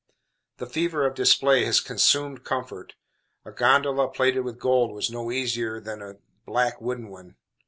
The fever of display has consumed comfort. A gondola plated with gold was no easier than a black wooden one.